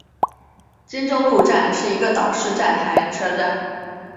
金周路站是一个岛式站台车站。